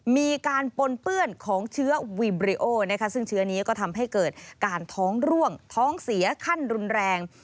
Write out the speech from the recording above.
มีการปนเปื้อนของเชื้อวีบริโอนะคะซึ่งเชื้อนี้ก็ทำให้เกิดการท้องร่วงท้องเสียขั้นรุนแรง